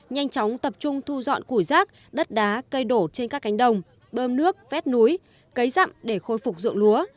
nhanh chóng tập trung thu dọn củi rác đất đá cây đổ trên các cánh đồng bơm nước vét núi cấy rặm để khôi phục ruộng lúa